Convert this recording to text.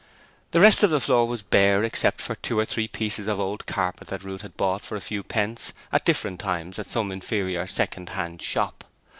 The rest of the floor was bare except for two or three small pieces of old carpet that Ruth had bought for a few pence at different times at some inferior second hand shop.